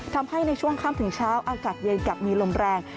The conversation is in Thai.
ทำให้ในช่วงค่ำถึงเช้าอากาศเย็นกับมีลมแรง